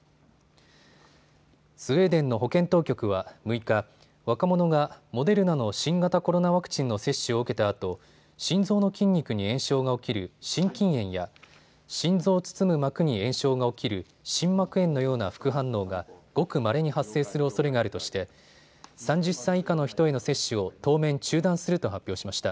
スウェーデンの保健当局は６日、若者がモデルナの新型コロナワクチンの接種を受けたあと心臓の筋肉に炎症が起きる心筋炎や心臓を包む膜に炎症が起きる心膜炎のような副反応がごくまれに発生するおそれがあるとして３０歳以下の人への接種を当面中断すると発表しました。